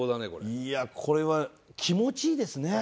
いやこれは気持ちいいですね。